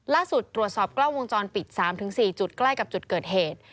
ล่าสุดตรวจสอบกล้องวงจรปิด๓๔จุดใกล้กับจุดเกิดเหตุ